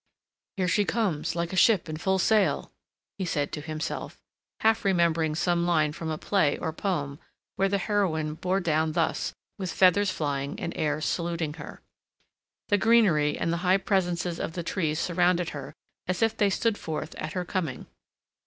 "Here she comes, like a ship in full sail," he said to himself, half remembering some line from a play or poem where the heroine bore down thus with feathers flying and airs saluting her. The greenery and the high presences of the trees surrounded her as if they stood forth at her coming.